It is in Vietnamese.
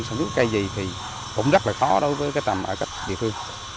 sản xuất cây gì thì cũng rất là khó đối với cái tầm ở cách địa phương